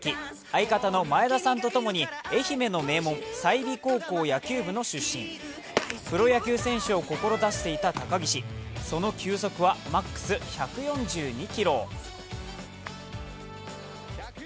相方の前田さんと共に愛媛の名門、済美高校野球部の出身プロ野球選手を志していた高岸、その球速はマックス１４２キロ。